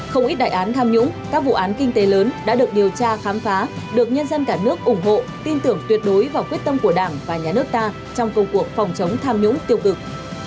không ít đại án tham nhũng các vụ án kinh tế lớn đã được điều tra khám phá được nhân dân cả nước ủng hộ tin tưởng tuyệt đối vào quyết tâm của đảng và nhà nước ta trong công cuộc phòng chống tham nhũng tiêu cực